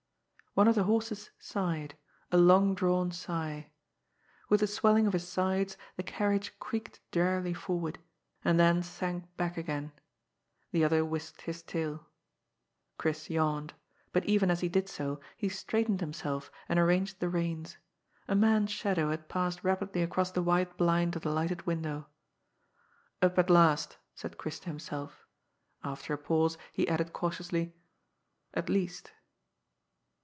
One of the horses sighed — ^a long drawn sigh. With the swelling of his sides the carriage creaked drearily for ward, and then sank back again. The other whisked his tail. Chris yawned. But even as he did so, he straightened himself and arranged the reins. A man's shadow had passed rapidly across the white blind of the lighted window. " Up at last," said Chris to himself. After a pause he added cautiously, " At least."